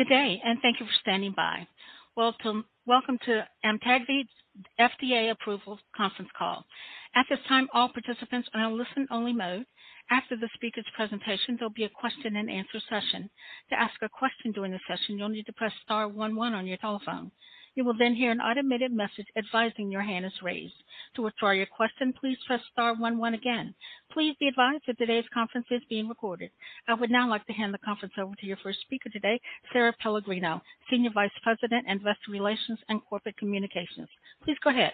Good day, and thank you for standing by. Welcome to the Amtagvi FDA Approval Conference Call. At this time, all participants are in a listen-only mode. After the speaker's presentation, there'll be a question-and-answer session. To ask a question during the session, you'll need to press star one one on your telephone. You will then hear an automated message advising your hand is raised. To withdraw your question, please press star one one again. Please be advised that today's conference is being recorded. I would now like to hand the conference over to your first speaker today, Sara Pellegrino, Senior Vice President, Investor Relations and Corporate Communications. Please go ahead.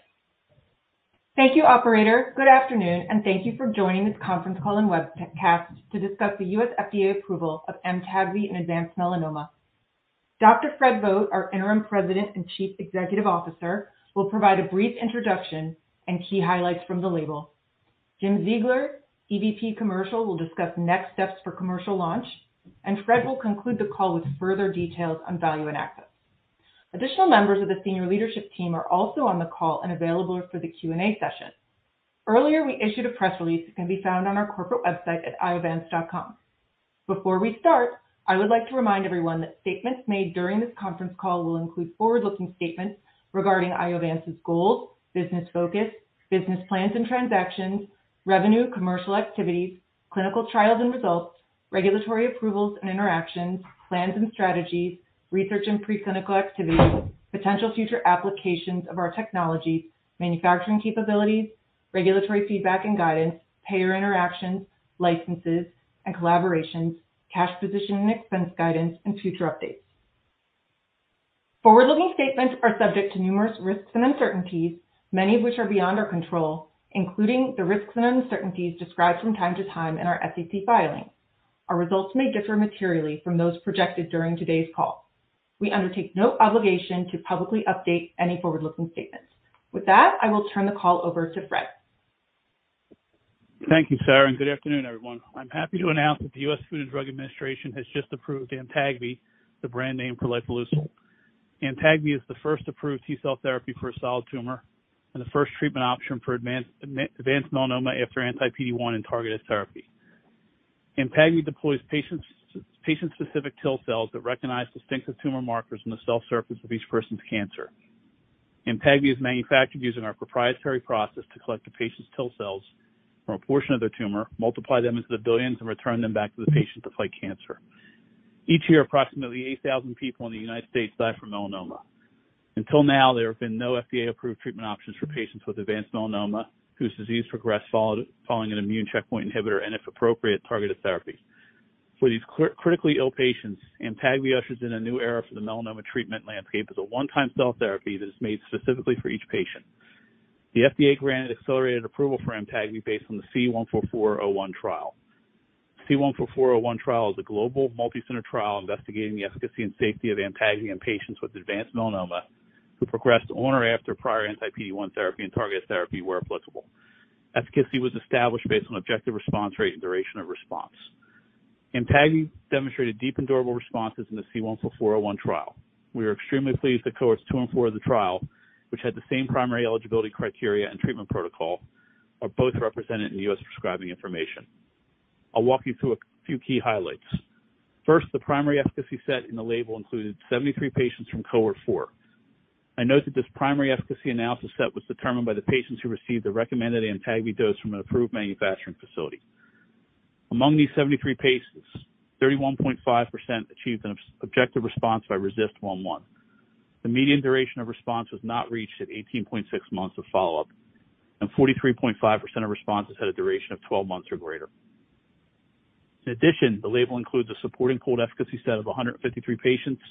Thank you, operator. Good afternoon, and thank you for joining this conference call and webcast to discuss the U.S. FDA approval of Amtagvi in advanced melanoma. Dr. Fred Vogt, our Interim President and Chief Executive Officer, will provide a brief introduction and key highlights from the label. Jim Ziegler, EVP, Commercial, will discuss next steps for commercial launch, and Fred will conclude the call with further details on value and access. Additional members of the senior leadership team are also on the call and available for the Q&A session. Earlier, we issued a press release that can be found on our corporate website at iovance.com. Before we start, I would like to remind everyone that statements made during this conference call will include forward-looking statements regarding Iovance's goals, business focus, business plans and transactions, revenue, commercial activities, clinical trials and results, regulatory approvals and interactions, plans and strategies, research and preclinical activities, potential future applications of our technologies, manufacturing capabilities, regulatory feedback and guidance, payer interactions, licenses and collaborations, cash position and expense guidance, and future updates. Forward-looking statements are subject to numerous risks and uncertainties, many of which are beyond our control, including the risks and uncertainties described from time to time in our SEC filing. Our results may differ materially from those projected during today's call. We undertake no obligation to publicly update any forward-looking statements. With that, I will turn the call over to Fred. Thank you, Sara, and good afternoon, everyone. I'm happy to announce that the U.S. Food and Drug Administration has just approved Amtagvi, the brand name for lifileucel. Amtagvi is the first approved T-cell therapy for a solid tumor and the first treatment option for advanced melanoma after Anti-PD-1 and targeted therapy. Amtagvi deploys patient-specific T-cells that recognize distinctive tumor markers on the cell surface of each person's cancer. Amtagvi is manufactured using our proprietary process to collect the patient's T-cells from a portion of their tumor, multiply them into the billions, and return them back to the patient to fight cancer. Each year, approximately 8,000 people in the United States die from melanoma. Until now, there have been no FDA-approved treatment options for patients with advanced melanoma whose disease progressed following an immune checkpoint inhibitor and, if appropriate, targeted therapy. For these critically ill patients, Amtagvi ushers in a new era for the melanoma treatment landscape as a one-time cell therapy that is made specifically for each patient. The FDA granted accelerated approval for Amtagvi based on the C-144-01 trial. The C-144-01 trial is a global multicenter trial investigating the efficacy and safety of Amtagvi in patients with advanced melanoma who progressed on or after prior anti-PD-1 therapy and targeted therapy where applicable. Efficacy was established based on objective response rate and duration of response. Amtagvi demonstrated deep and durable responses in the C-144-01 trial. We are extremely pleased that cohorts 2 and 4 of the trial, which had the same primary eligibility criteria and treatment protocol, are both represented in the U.S. prescribing information. I'll walk you through a few key highlights. First, the primary efficacy set in the label included 73 patients from cohort 4. I note that this primary efficacy analysis set was determined by the patients who received the recommended Amtagvi dose from an approved manufacturing facility. Among these 73 patients, 31.5% achieved an objective response by RECIST 1.1. The median duration of response was not reached at 18.6 months of follow-up, and 43.5% of responses had a duration of 12 months or greater. In addition, the label includes a supporting cohort efficacy set of 153 patients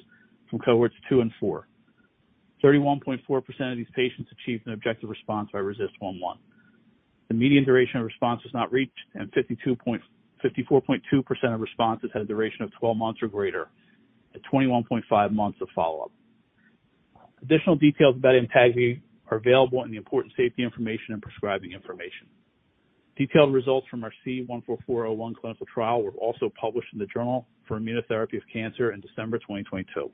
from cohorts 2 and 4. 31.4% of these patients achieved an objective response by RECIST 1.1. The median duration of response was not reached, and 54.2% of responses had a duration of 12 months or greater at 21.5 months of follow-up. Additional details about Amtagvi are available in the important safety information and prescribing information. Detailed results from our C-144-01 clinical trial were also published in the Journal for Immunotherapy of Cancer in December 2022.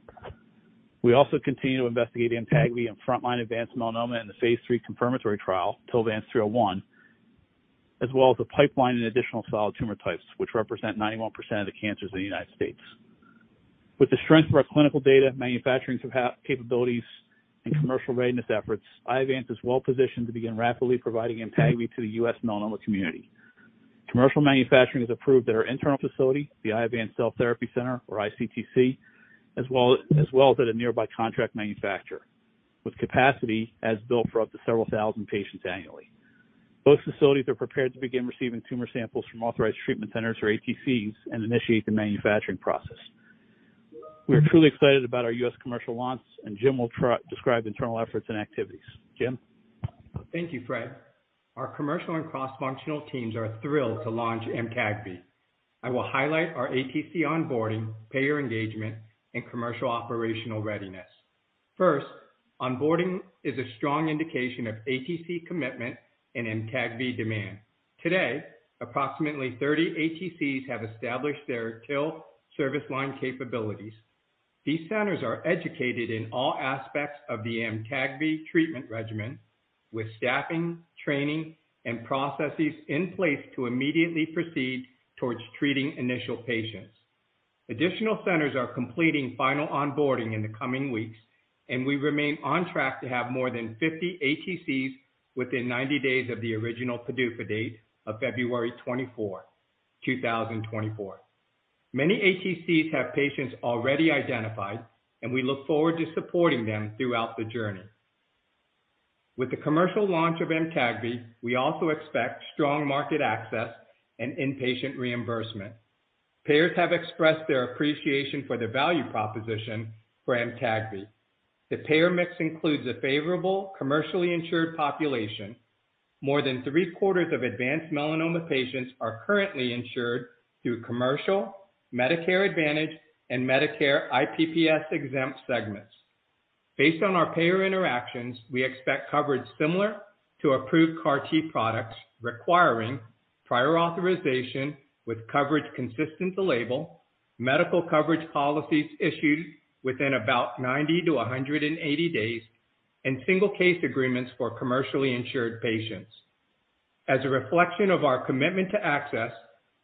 We also continue to investigate Amtagvi in frontline advanced melanoma in the phase 3 confirmatory trial, TILVANCE-301, as well as the pipeline in additional solid tumor types, which represent 91% of the cancers in the United States. With the strength of our clinical data, manufacturing capabilities, and commercial readiness efforts, Iovance is well positioned to begin rapidly providing Amtagvi to the U.S. melanoma community. Commercial manufacturing is approved at our internal facility, the Iovance Cell Therapy Center, or ICTC, as well as at a nearby contract manufacturer with capacity as built for up to several thousand patients annually. Both facilities are prepared to begin receiving tumor samples from authorized treatment centers or ATCs and initiate the manufacturing process. We are truly excited about our U.S. commercial launch, and Jim will describe internal efforts and activities. Jim? Thank you, Fred. Our commercial and cross-functional teams are thrilled to launch Amtagvi. I will highlight our ATC onboarding, payer engagement, and commercial operational readiness. First, onboarding is a strong indication of ATC commitment and Amtagvi demand. Today, approximately 30 ATCs have established their TIL service line capabilities. These centers are educated in all aspects of the Amtagvi treatment regimen, with staffing, training, and processes in place to immediately proceed towards treating initial patients. Additional centers are completing final onboarding in the coming weeks, and we remain on track to have more than 50 ATCs within 90 days of the original PDUFA date of February 24, 2024. Many ATCs have patients already identified, and we look forward to supporting them throughout the journey. With the commercial launch of Amtagvi, we also expect strong market access and inpatient reimbursement. Payers have expressed their appreciation for the value proposition for Amtagvi. The payer mix includes a favorable commercially insured population. More than three-quarters of advanced melanoma patients are currently insured through commercial, Medicare Advantage, and Medicare IPPS-exempt segments. Based on our payer interactions, we expect coverage similar to approved CAR-T products requiring prior authorization with coverage consistent to label, medical coverage policies issued within about 90-180 days, and single-case agreements for commercially insured patients. As a reflection of our commitment to access,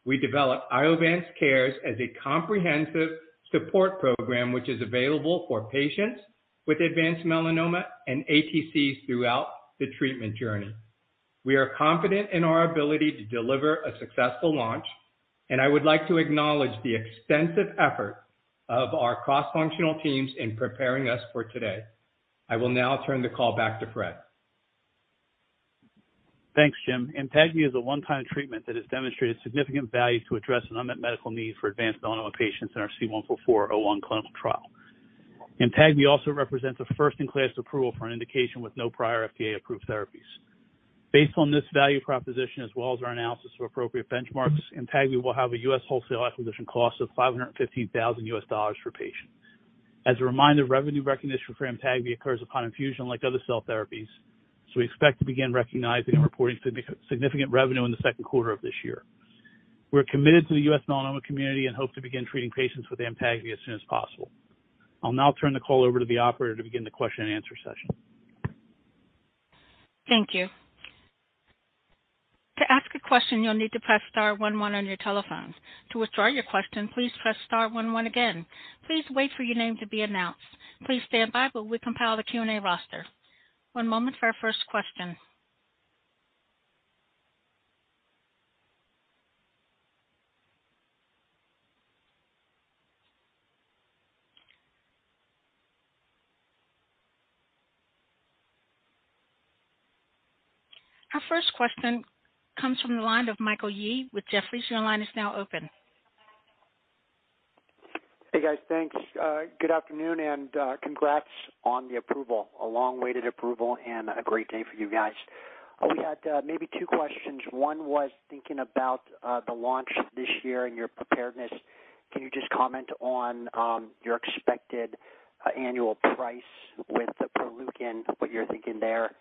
we developed Iovance Cares as a comprehensive support program which is available for patients with advanced melanoma and ATCs throughout the treatment journey. We are confident in our ability to deliver a successful launch, and I would like to acknowledge the extensive effort of our cross-functional teams in preparing us for today. I will now turn the call back to Fred. Thanks, Jim. Amtagvi is a one-time treatment that has demonstrated significant value to address an unmet medical need for advanced melanoma patients in our C-144-01 clinical trial. Amtagvi also represents a first-in-class approval for an indication with no prior FDA-approved therapies. Based on this value proposition, as well as our analysis of appropriate benchmarks, Amtagvi will have a U.S. wholesale acquisition cost of $515,000 per patient. As a reminder, revenue recognition for Amtagvi occurs upon infusion like other cell therapies, so we expect to begin recognizing and reporting significant revenue in the second quarter of this year. We're committed to the U.S. melanoma community and hope to begin treating patients with Amtagvi as soon as possible. I'll now turn the call over to the Operator to begin the question-and-answer session. Thank you. To ask a question, you'll need to press star one one on your telephone. To withdraw your question, please press star one one again. Please wait for your name to be announced. Please stand by, but we compile the Q&A roster. One moment for our first question. Our first question comes from the line of Michael Yee with Jefferies. Your line is now open. Hey, guys. Thanks. Good afternoon and congrats on the approval, a long-awaited approval, and a great day for you guys. We had maybe two questions. One was thinking about the launch this year and your preparedness. Can you just comment on your expected annual price with the Proleukin, what you're thinking there,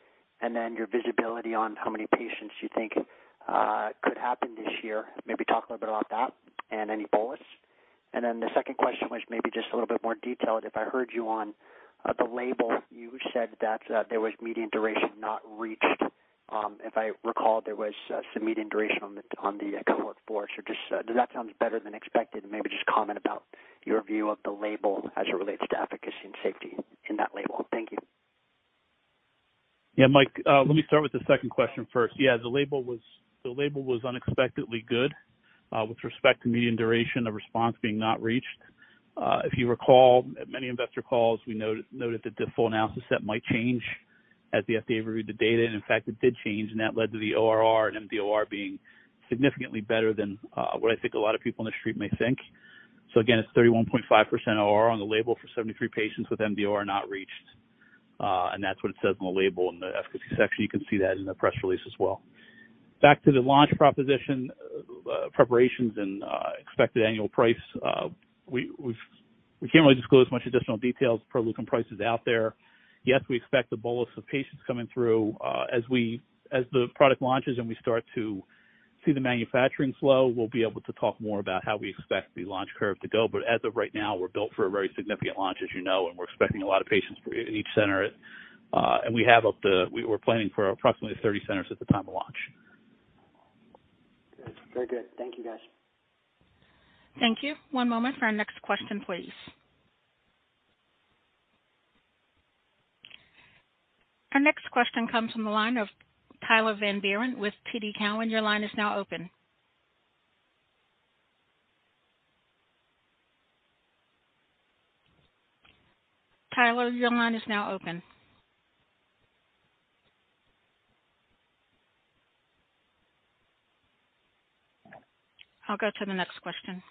and then your visibility on how many patients you think could happen this year? Maybe talk a little bit about that and any bolus. And then the second question was maybe just a little bit more detailed. If I heard you on the label, you said that there was median duration not reached. If I recall, there was some median duration on the cohort 4. So does that sound better than expected? And maybe just comment about your view of the label as it relates to efficacy and safety in that label. Thank you. Yeah, Mike, let me start with the second question first. Yeah, the label was unexpectedly good with respect to median duration of response being not reached. If you recall, at many investor calls, we noted that the full analysis set might change as the FDA reviewed the data. In fact, it did change, and that led to the ORR and MDOR being significantly better than what I think a lot of people in the street may think. So again, it's 31.5% ORR on the label for 73 patients with MDOR not reached, and that's what it says on the label in the efficacy section. You can see that in the press release as well. Back to the launch proposition, preparations, and expected annual price, we can't really disclose much additional details. Proleukin price is out there. Yes, we expect a bolus of patients coming through. As the product launches and we start to see the manufacturing flow, we'll be able to talk more about how we expect the launch curve to go. But as of right now, we're built for a very significant launch, as you know, and we're expecting a lot of patients in each center. We're planning for approximately 30 centers at the time of launch. Good. Very good. Thank you, guys. Thank you. One moment for our next question, please. Our next question comes from the line of Tyler Van Buren with TD Cowen. Your line is now open. Tyler, your line is now open. I'll go to the next question.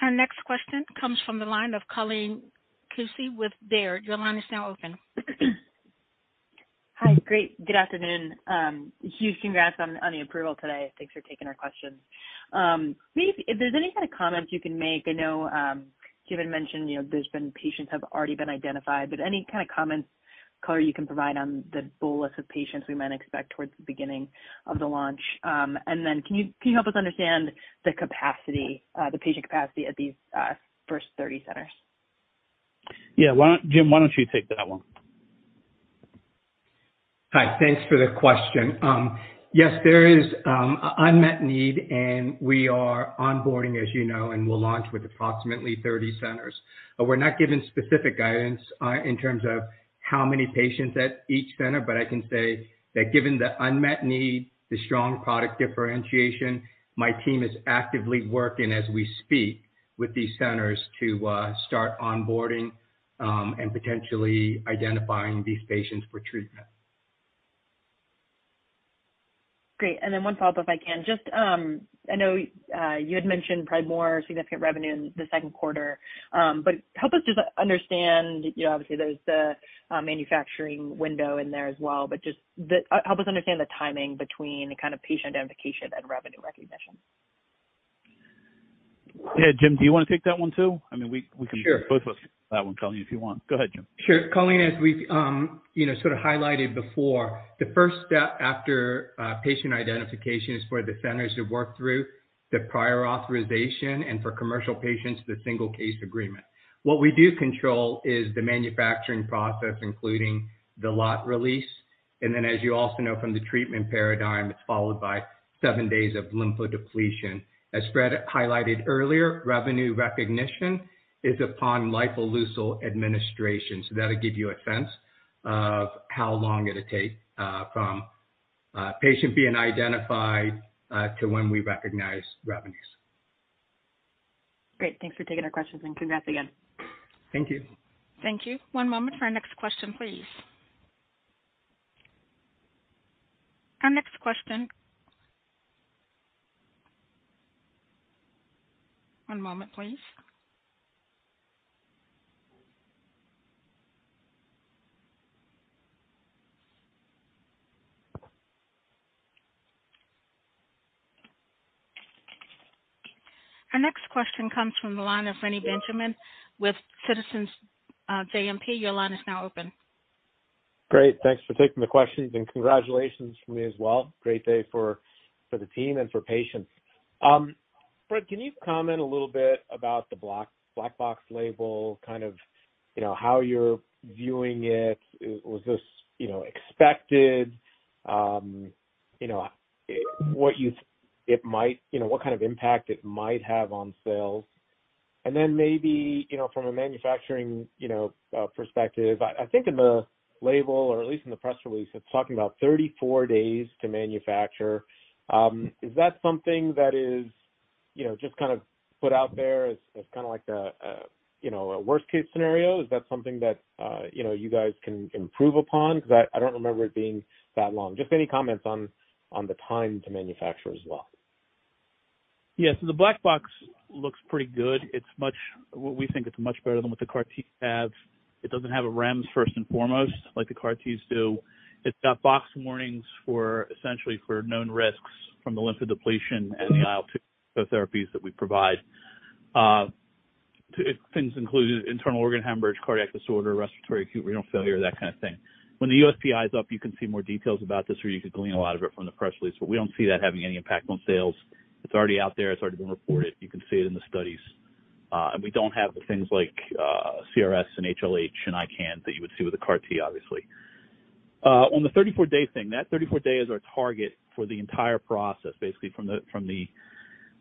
Our next question comes from the line of Colleen Kusy with Baird. Your line is now open. Hi. Great. Good afternoon. Huge congrats on the approval today. Thanks for taking our questions. If there's any kind of comments you can make, I know you had mentioned there's been patients who have already been identified, but any kind of comments, color, you can provide on the bolus of patients we might expect towards the beginning of the launch. And then can you help us understand the capacity, the patient capacity at these first 30 centers? Yeah. Jim, why don't you take that one? Hi. Thanks for the question. Yes, there is an unmet need, and we are onboarding, as you know, and we'll launch with approximately 30 centers. We're not given specific guidance in terms of how many patients at each center, but I can say that given the unmet need, the strong product differentiation, my team is actively working, as we speak, with these centers to start onboarding and potentially identifying these patients for treatment. Great. And then one follow-up, if I can. I know you had mentioned probably more significant revenue in the second quarter, but help us just understand obviously, there's the manufacturing window in there as well, but just help us understand the timing between kind of patient identification and revenue recognition? Yeah, Jim, do you want to take that one too? I mean, we can both listen to that one, Colleen, if you want. Go ahead, Jim. Sure. Colleen, as we sort of highlighted before, the first step after patient identification is for the centers to work through the prior authorization, and for commercial patients, the single-case agreement. What we do control is the manufacturing process, including the lot release. And then, as you also know from the treatment paradigm, it's followed by seven days of lymphodepletion. As Fred highlighted earlier, revenue recognition is upon lifileucel administration. So that'll give you a sense of how long it'll take from patient being identified to when we recognize revenues. Great. Thanks for taking our questions, and congrats again. Thank you. Thank you. One moment for our next question, please. Our next question comes from the line of Reni Benjamin with Citizens JMP. Your line is now open. Great. Thanks for taking the questions, and congratulations from me as well. Great day for the team and for patients. Fred, can you comment a little bit about the black box label, kind of how you're viewing it? Was this expected? What you think it might what kind of impact it might have on sales? And then maybe from a manufacturing perspective, I think in the label, or at least in the press release, it's talking about 34 days to manufacture. Is that something that is just kind of put out there as kind of like a worst-case scenario? Is that something that you guys can improve upon? Because I don't remember it being that long. Just any comments on the time to manufacture as well. Yeah. So the black box looks pretty good. What we think it's much better than what the CAR-Ts have. It doesn't have a REMS first and foremost like the CAR-Ts do. It's got box warnings essentially for known risks from the lymphodepletion and the IL-2 therapies that we provide. Things include internal organ hemorrhage, cardiac disorder, respiratory acute renal failure, that kind of thing. When the USPI is up, you can see more details about this, or you could glean a lot of it from the press release, but we don't see that having any impact on sales. It's already out there. It's already been reported. You can see it in the studies. And we don't have the things like CRS and HLH and ICANS that you would see with the CAR-T, obviously. On the 34-day thing, that 34 days are a target for the entire process, basically from the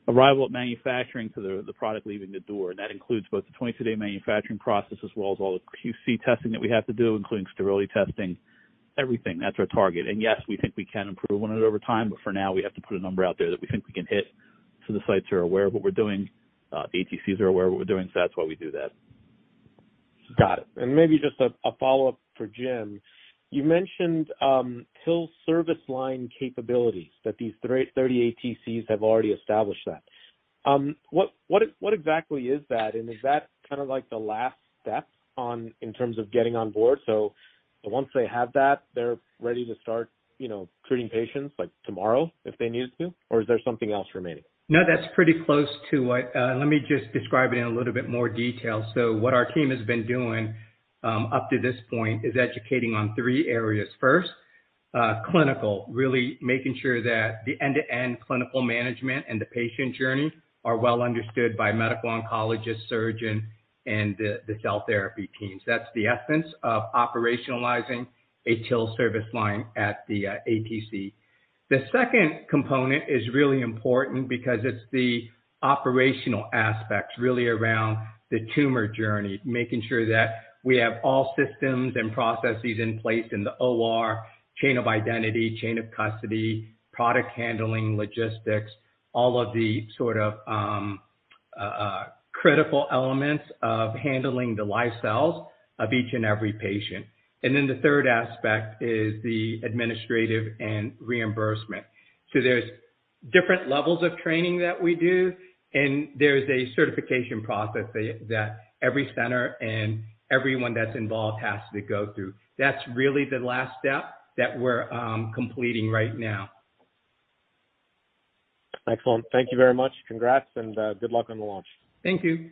arrival at manufacturing to the product leaving the door. And that includes both the 22-day manufacturing process as well as all the QC testing that we have to do, including sterility testing, everything. That's our target. And yes, we think we can improve on it over time, but for now, we have to put a number out there that we think we can hit. So the sites are aware of what we're doing. The ATCs are aware of what we're doing. So that's why we do that. Got it. And maybe just a follow-up for Jim. You mentioned full service line capabilities, that these 30 ATCs have already established that. What exactly is that? And is that kind of like the last step in terms of getting on board? So once they have that, they're ready to start treating patients tomorrow if they needed to, or is there something else remaining? No, that's pretty close to it. Let me just describe it in a little bit more detail. So what our team has been doing up to this point is educating on three areas. First, clinical, really making sure that the end-to-end clinical management and the patient journey are well understood by medical oncologist, surgeon, and the cell therapy teams. That's the essence of operationalizing a TIL service line at the ATC. The second component is really important because it's the operational aspects, really around the tumor journey, making sure that we have all systems and processes in place in the OR, chain of identity, chain of custody, product handling, logistics, all of the sort of critical elements of handling the live cells of each and every patient. And then the third aspect is the administrative and reimbursement. So there's different levels of training that we do, and there's a certification process that every center and everyone that's involved has to go through. That's really the last step that we're completing right now. Excellent. Thank you very much. Congrats, and good luck on the launch. Thank you.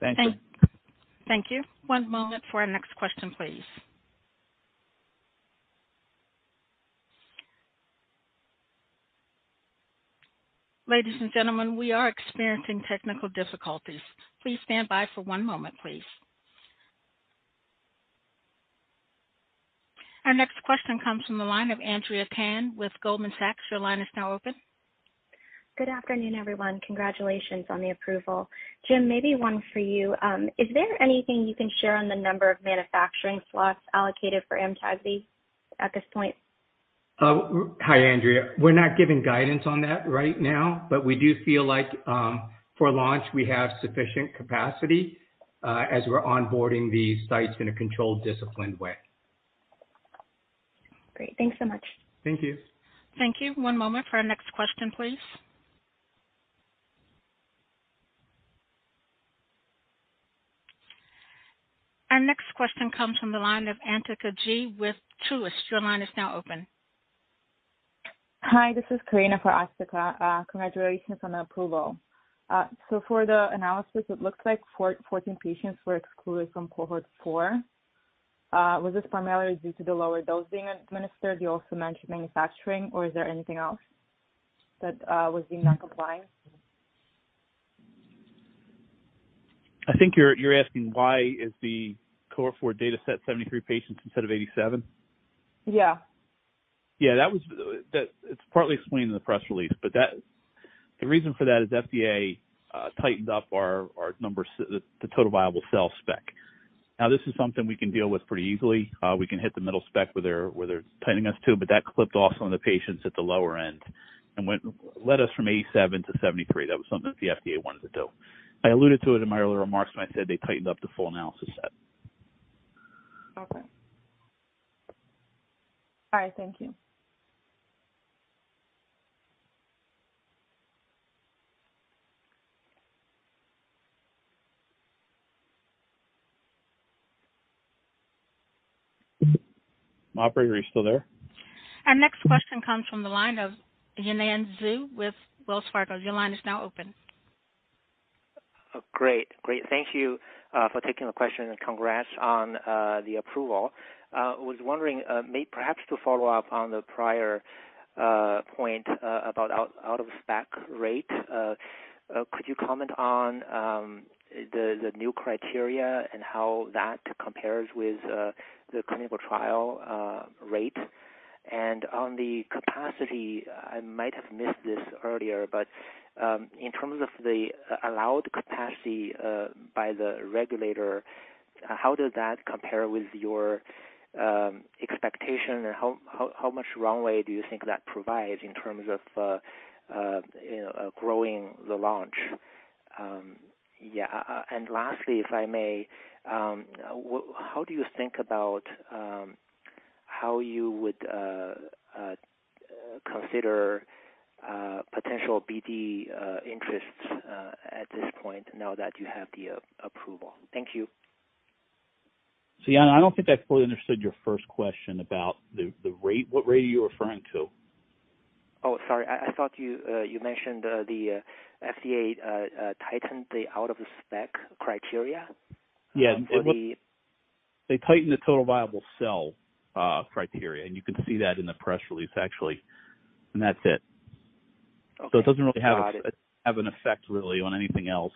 Thank you. Thank you. One moment for our next question, please. Ladies and gentlemen, we are experiencing technical difficulties. Please stand by for one moment, please. Our next question comes from the line of Andrea Tan with Goldman Sachs. Your line is now open. Good afternoon, everyone. Congratulations on the approval. Jim, maybe one for you. Is there anything you can share on the number of manufacturing slots allocated for Amtagvi at this point? Hi, Andrea. We're not giving guidance on that right now, but we do feel like for launch, we have sufficient capacity as we're onboarding these sites in a controlled, disciplined way. Great. Thanks so much. Thank you. Thank you. One moment for our next question, please. Our next question comes from the line of Asthika Goonewardene with Truist. Your line is now open. Hi. This is Karina for Asthika. Congratulations on the approval. So for the analysis, it looks like 14 patients were excluded from cohort 4. Was this primarily due to the lower dose being administered? You also mentioned manufacturing, or is there anything else that was being noncompliant? I think you're asking why is the cohort 4 dataset 73 patients instead of 87? Yeah. Yeah. It's partly explained in the press release, but the reason for that is FDA tightened up our number, the total viable cell spec. Now, this is something we can deal with pretty easily. We can hit the middle spec where they're tightening us to, but that clipped off some of the patients at the lower end and led us from 87 to 73. That was something that the FDA wanted to do. I alluded to it in my earlier remarks when I said they tightened up the full analysis set. Okay. All right. Thank you. Operator, are you still there? Our next question comes from the line of Yanan Zhu with Wells Fargo. Your line is now open. Great. Great. Thank you for taking the question, and congrats on the approval. I was wondering, perhaps to follow up on the prior point about out-of-spec rate, could you comment on the new criteria and how that compares with the clinical trial rate? And on the capacity, I might have missed this earlier, but in terms of the allowed capacity by the regulator, how does that compare with your expectation, and how much runway do you think that provides in terms of growing the launch? Yeah. And lastly, if I may, how do you think about how you would consider potential BD interests at this point now that you have the approval? Thank you. So yeah, I don't think I fully understood your first question about the rate. What rate are you referring to? Oh, sorry. I thought you mentioned the FDA tightened the out-of-spec criteria for the. Yeah. They tightened the total viable cells criteria, and you can see that in the press release, actually. That's it. So it doesn't really have an effect, really, on anything else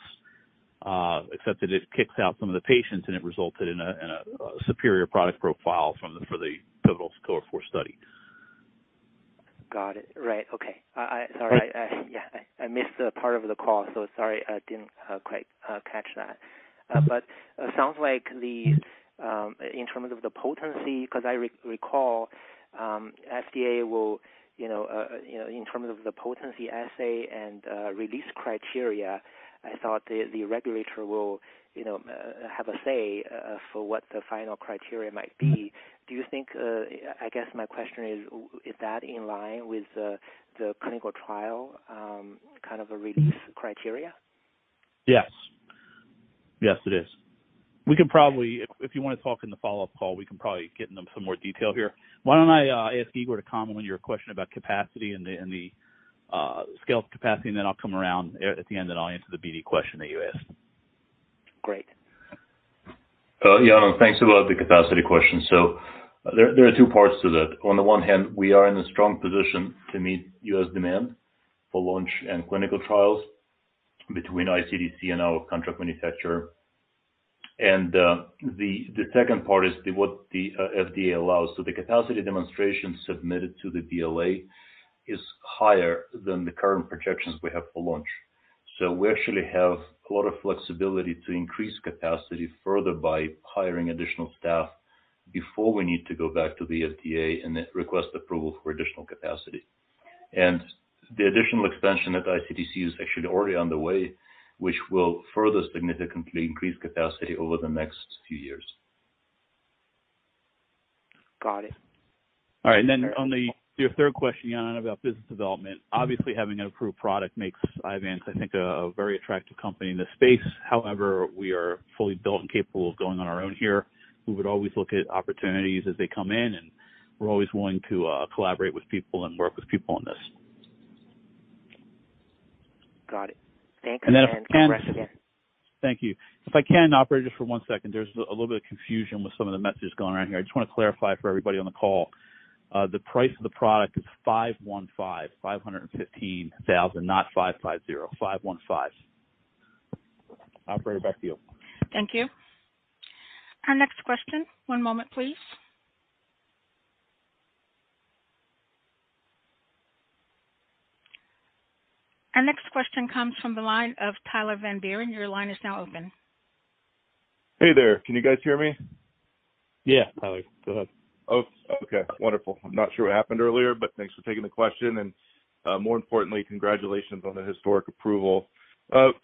except that it kicks out some of the patients, and it resulted in a superior product profile for the pivotal cohort four study. Got it. Right. Okay. Sorry. Yeah. I missed part of the call, so sorry I didn't quite catch that. But it sounds like in terms of the potency because I recall FDA will, in terms of the potency assay and release criteria, I thought the regulator will have a say for what the final criteria might be. Do you think I guess my question is, is that in line with the clinical trial kind of a release criteria? Yes. Yes, it is. If you want to talk in the follow-up call, we can probably get into some more detail here. Why don't I ask Igor to comment on your question about capacity and the scale of capacity, and then I'll come around at the end, and I'll answer the BD question that you asked. Great. Iovance, thanks a lot for the capacity question. So there are two parts to that. On the one hand, we are in a strong position to meet U.S. demand for launch and clinical trials between ICTC and our contract manufacturer. The second part is what the FDA allows. So the capacity demonstration submitted to the BLA is higher than the current projections we have for launch. So we actually have a lot of flexibility to increase capacity further by hiring additional staff before we need to go back to the FDA and request approval for additional capacity. The additional expansion at ICTC is actually already underway, which will further significantly increase capacity over the next few years. Got it. All right. And then on your third question, Yinan, about business development, obviously, having an approved product makes Iovance, I think, a very attractive company in this space. However, we are fully built and capable of going on our own here. We would always look at opportunities as they come in, and we're always willing to collaborate with people and work with people on this. Got it. Thanks. And I'll congratulate again. Thank you. If I can, operator, just for one second, there's a little bit of confusion with some of the messages going around here. I just want to clarify for everybody on the call. The price of the product is $515,000, not $550,000. Operator, back to you. Thank you. Our next question. One moment, please. Our next question comes from the line of Tyler Van Buren. Your line is now open. Hey there. Can you guys hear me? Yeah, Tyler. Go ahead. Oh, okay. Wonderful. I'm not sure what happened earlier, but thanks for taking the question. And more importantly, congratulations on the historic approval.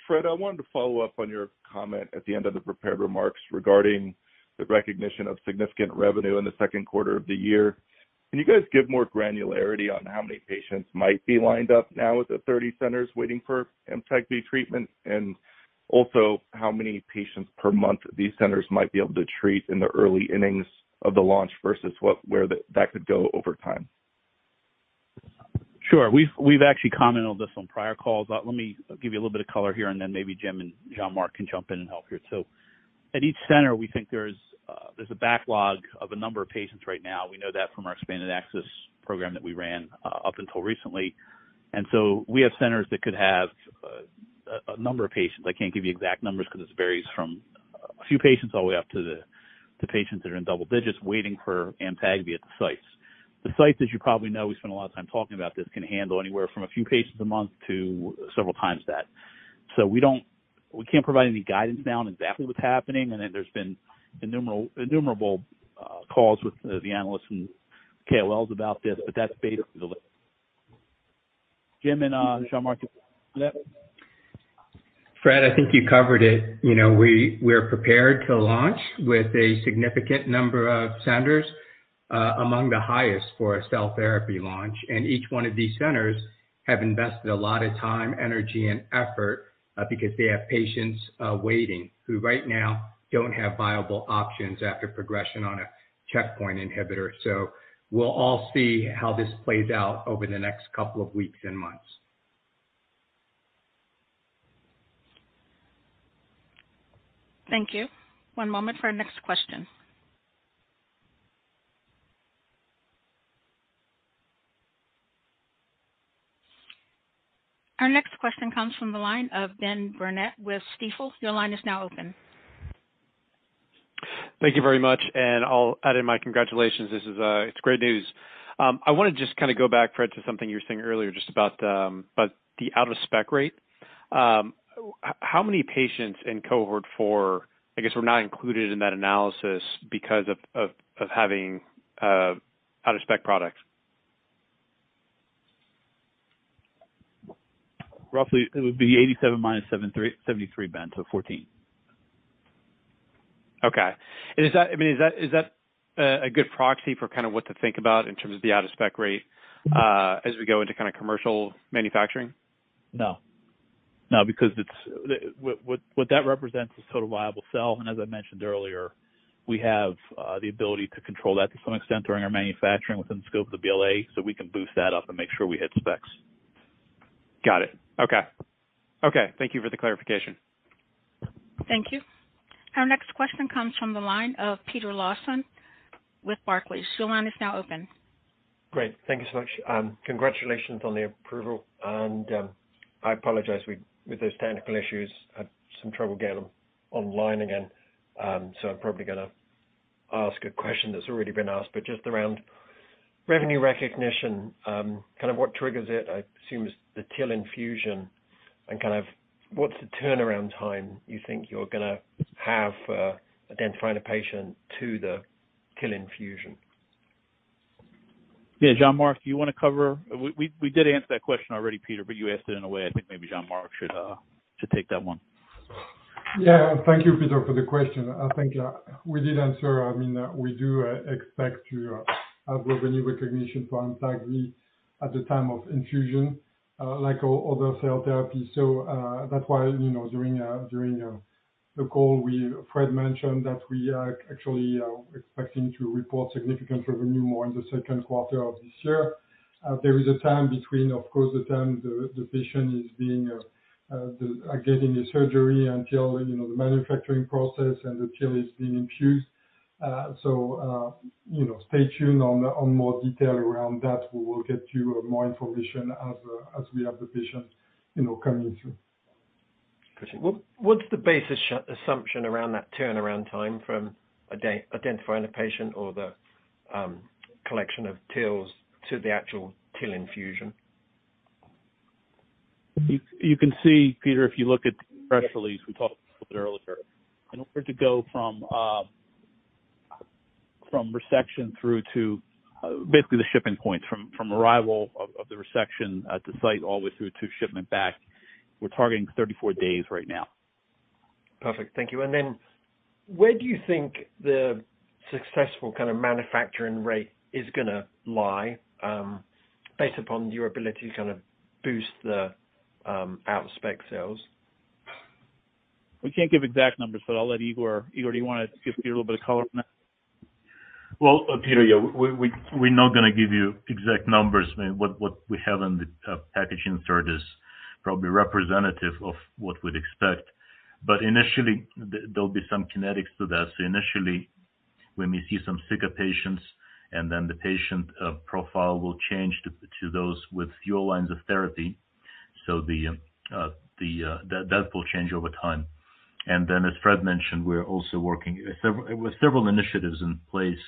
Fred, I wanted to follow up on your comment at the end of the prepared remarks regarding the recognition of significant revenue in the second quarter of the year. Can you guys give more granularity on how many patients might be lined up now with the 30 centers waiting for Amtagvi treatment, and also how many patients per month these centers might be able to treat in the early innings of the launch versus where that could go over time? Sure. We've actually commented on this on prior calls. Let me give you a little bit of color here, and then maybe Jim and Jean-Marc can jump in and help here too. At each center, we think there's a backlog of a number of patients right now. We know that from our expanded access program that we ran up until recently. And so we have centers that could have a number of patients. I can't give you exact numbers because it varies from a few patients all the way up to the patients that are in double digits waiting for Amtagvi at the sites. The sites, as you probably know - we spent a lot of time talking about this - can handle anywhere from a few patients a month to several times that. So we can't provide any guidance now on exactly what's happening. And then there's been innumerable calls with the analysts and KOLs about this, but that's basically the Jim and Jean-Marc, is that? Fred, I think you covered it. We are prepared to launch with a significant number of centers among the highest for a cell therapy launch. Each one of these centers have invested a lot of time, energy, and effort because they have patients waiting who right now don't have viable options after progression on a checkpoint inhibitor. We'll all see how this plays out over the next couple of weeks and months. Thank you. One moment for our next question. Our next question comes from the line of Ben Burnett with Stifel. Your line is now open. Thank you very much. And I'll add in my congratulations. It's great news. I want to just kind of go back, Fred, to something you were saying earlier just about the out-of-spec rate. How many patients in cohort 4, I guess, were not included in that analysis because of having out-of-spec products? Roughly, it would be 87-73, Ben, so 14. Okay. And I mean, is that a good proxy for kind of what to think about in terms of the out-of-spec rate as we go into kind of commercial manufacturing? No. No, because what that represents is total viable cell. And as I mentioned earlier, we have the ability to control that to some extent during our manufacturing within the scope of the BLA, so we can boost that up and make sure we hit specs. Got it. Okay. Okay. Thank you for the clarification. Thank you. Our next question comes from the line of Peter Lawson with Barclays. Your line is now open. Great. Thank you so much. Congratulations on the approval. I apologize with those technical issues. I had some trouble getting them online again, so I'm probably going to ask a question that's already been asked, but just around revenue recognition, kind of what triggers it? I assume it's the TIL infusion. And kind of what's the turnaround time you think you're going to have for identifying a patient to the TIL infusion? Yeah. Jean-Marc, do you want to cover? We did answer that question already, Peter, but you asked it in a way. I think maybe Jean-Marc should take that one. Yeah. Thank you, Peter, for the question. I think we did answer. I mean, we do expect to have revenue recognition for Amtagvi at the time of infusion like all other cell therapies. So that's why during the call, Fred mentioned that we are actually expecting to report significant revenue more in the second quarter of this year. There is a time between, of course, the time the patient is getting the surgery until the manufacturing process and the TIL is being infused. So stay tuned on more detail around that. We will get you more information as we have the patients coming through. Gotcha. What's the basic assumption around that turnaround time from identifying a patient or the collection of TILs to the actual TIL infusion? You can see, Peter, if you look at the press release we talked about earlier, in order to go from resection through to basically the shipping points, from arrival of the resection at the site all the way through to shipment back, we're targeting 34 days right now. Perfect. Thank you. And then where do you think the successful kind of manufacturing rate is going to lie based upon your ability to kind of boost the out-of-spec sales? We can't give exact numbers, but I'll let Igor Igor, do you want to give Peter a little bit of color on that? Well, Peter, yeah. We're not going to give you exact numbers. I mean, what we have in the packaging insert is probably representative of what we'd expect. But initially, there'll be some kinetics to that. So initially, when we see some sicker patients, and then the patient profile will change to those with fewer lines of therapy, so that will change over time. And then, as Fred mentioned, we're also working with several initiatives in place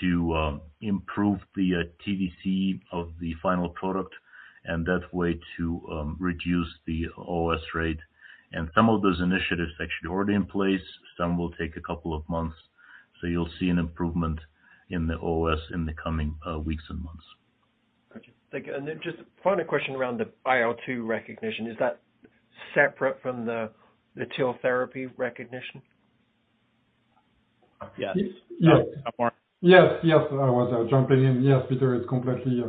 to improve the TVC of the final product and that way to reduce the OOS rate. And some of those initiatives are actually already in place. Some will take a couple of months. So you'll see an improvement in the OOS in the coming weeks and months. Gotcha. Thank you. Then just a final question around the IL-2 regimen. Is that separate from the TIL therapy regimen? Yes. Yes. Yes. Yes. I was jumping in. Yes, Peter, it's completely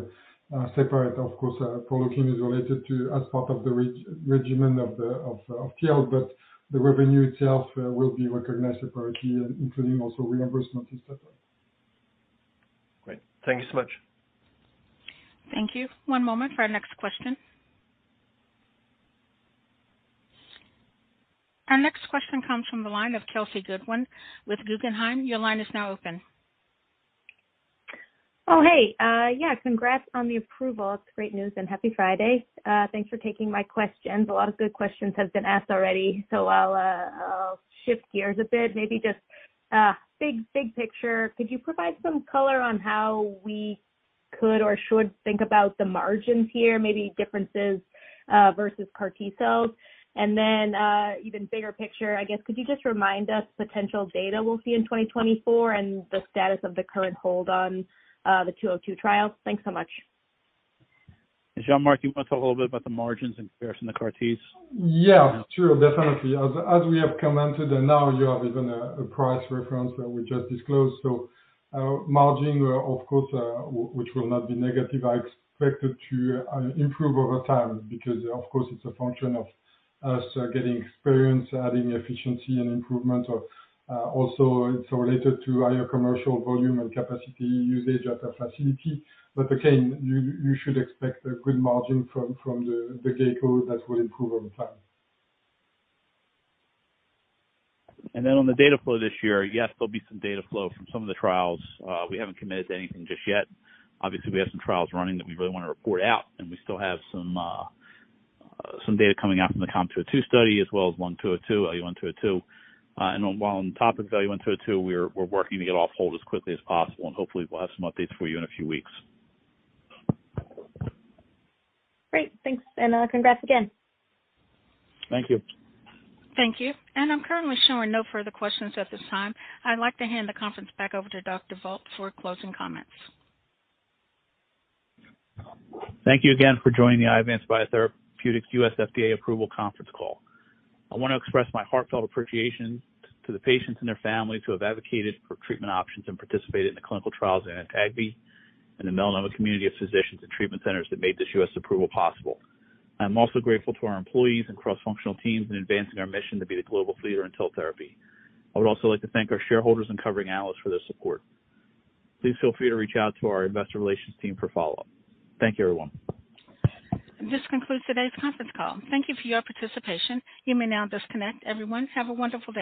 separate. Of course, Proleukin is related as part of the regimen of TIL, but the revenue itself will be recognized separately, including also reimbursement, etc. Great. Thank you so much. Thank you. One moment for our next question. Our next question comes from the line of Kelsey Goodwin with Guggenheim. Your line is now open. Oh, hey. Yeah. Congrats on the approval. It's great news, and happy Friday. Thanks for taking my questions. A lot of good questions have been asked already, so I'll shift gears a bit. Maybe just big, big picture, could you provide some color on how we could or should think about the margins here, maybe differences versus CAR-T cells? And then even bigger picture, I guess, could you just remind us potential data we'll see in 2024 and the status of the current hold on the 202 trials? Thanks so much. Jean-Marc, do you want to talk a little bit about the margins in comparison to CAR-Ts? Yeah. Sure. Definitely. As we have commented, and now you have even a price reference that we just disclosed. So margin, of course, which will not be negative, I expect it to improve over time because, of course, it's a function of us getting experience, adding efficiency and improvement. Also, it's related to higher commercial volume and capacity usage at a facility. But again, you should expect a good margin from the get-go that will improve over time. And then on the data flow this year, yes, there'll be some data flow from some of the trials. We haven't committed to anything just yet. Obviously, we have some trials running that we really want to report out, and we still have some data coming out from the COM202 study as well as LUN-202, LU-202. And while on topics of LU-202, we're working to get off hold as quickly as possible, and hopefully, we'll have some updates for you in a few weeks. Great. Thanks. And congrats again. Thank you. Thank you. I'm currently showing no further questions at this time. I'd like to hand the conference back over to Dr. Vogt for closing comments. Thank you again for joining the Iovance Biotherapeutics U.S. FDA approval conference call. I want to express my heartfelt appreciation to the patients and their families who have advocated for treatment options and participated in the clinical trials of Amtagvi and the Melanoma Community of Physicians and Treatment Centers that made this U.S. approval possible. I am also grateful to our employees and cross-functional teams in advancing our mission to be the global leader in TIL therapy. I would also like to thank our shareholders and covering analysts for their support. Please feel free to reach out to our investor relations team for follow-up. Thank you, everyone. This concludes today's conference call. Thank you for your participation. You may now disconnect. Everyone, have a wonderful day.